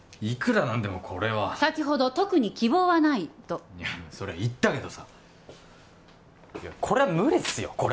いくら何でもこれは先ほど特に希望はないといやそりゃ言ったけどさいやこれは無理っすよ